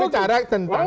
bukan bicara tentang